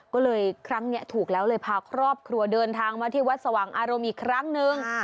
ก็เลยครั้งนี้ถูกแล้วเลยพาครอบครัวเดินทางมาที่วัดสว่างอารมณ์อีกครั้งหนึ่ง